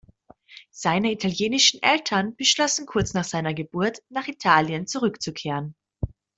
Seine italienischen Eltern beschlossen kurz nach seiner Geburt, nach Italien zurückzukehren.